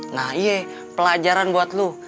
nah iya pelajaran buat lo